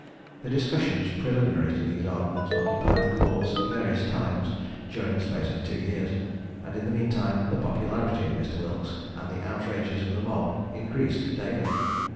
The discussions preliminary to these arguments occupied the courts at various times during a space of two years; and in the mean time, the popularity of Mr. Wilkes and the outrages of the mob increased daily.